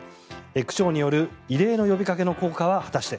区長による異例の呼びかけの効果は果たして。